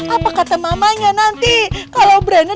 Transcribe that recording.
apa kata mamanya nanti kalau brandnya